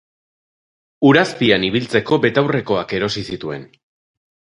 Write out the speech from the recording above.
Ur azpian ibiltzeko betaurrekoak erosi zituen.